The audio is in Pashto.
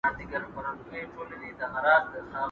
¬ پردى جنگ نيم اختر دئ.